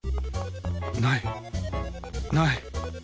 ないない！